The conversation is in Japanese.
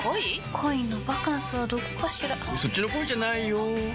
恋のバカンスはどこかしらそっちの恋じゃないよ